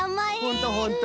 ほんとほんと。